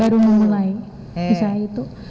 baru memulai usaha itu